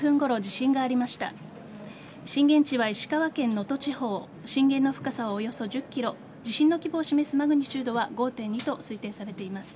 震源地は石川県能登地方震源の深さはおよそ１０ｋｍ地震の規模を示すマグニチュードは５．２と推定されています。